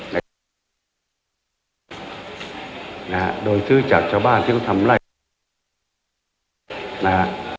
นะฮะโดยซื้อจากชาวบ้านที่เขาทำไล่นะฮะ